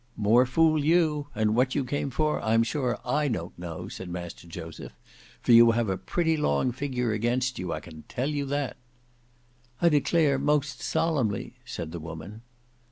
"More fool you! And what you came for I am sure I don't know," said Master Joseph; "for you have a pretty long figure against you, I can tell you that." "I declare most solemnly—" said the woman.